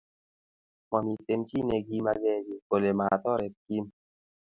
mamiten chi negimagegiy kole matoret Kim